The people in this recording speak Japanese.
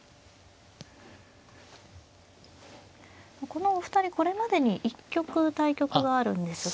このお二人これまでに１局対局があるんですが。